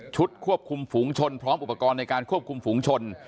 ควบคุมฝูงชนพร้อมอุปกรณ์ในการควบคุมฝูงชน